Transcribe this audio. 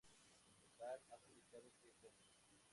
En total ha publicado siete álbumes.